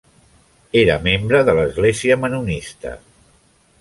Era membre de l'Església Mennonista.